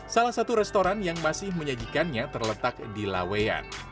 salah satu restoran yang masih menyajikannya terletak di laweyan